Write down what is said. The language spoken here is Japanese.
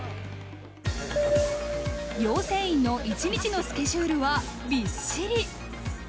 養成員の一日のスケジュールはびっしり。